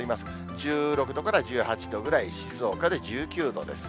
１６度から１８度ぐらい、静岡で１９度です。